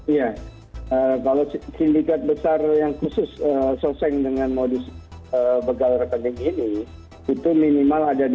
iya kalau sindikat besar yang khusus soseng dengan modus begal rekening ini itu minimal ada dua